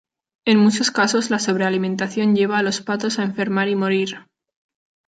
En muchos casos la sobrealimentación lleva a los patos a enfermar y morir.